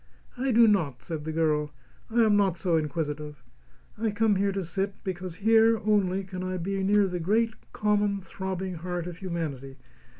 "I do not," said the girl; "I am not so inquisitive. I come here to sit because here, only, can I be near the great, common, throbbing heart of humanity.